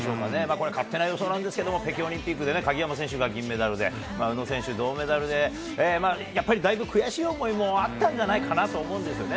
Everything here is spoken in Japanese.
これ、勝手な予想なんですけど、北京オリンピックでね、鍵山選手が銀メダルで、宇野選手、銅メダルで、やっぱりだいぶ、悔しい思いもあったんじゃないかなと思うんですよね。